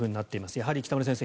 やはり北村先生